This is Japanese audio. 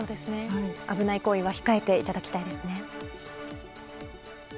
危ない行為は控えていただきたいですね。